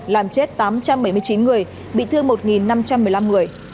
làm chết tám trăm bảy mươi chín người bị thương một năm trăm một mươi năm người